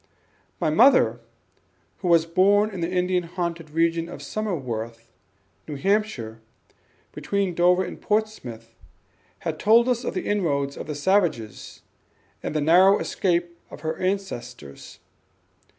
My mother, who was born in the Indian haunted region of Somersworth, New Hampshire, between Dover and Portsmouth, told us of the inroads of the savages, and the narrow escape of her ancestors.